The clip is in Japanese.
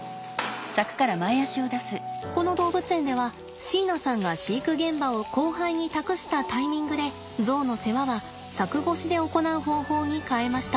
この動物園では椎名さんが飼育現場を後輩に託したタイミングでゾウの世話は柵越しで行う方法に変えました。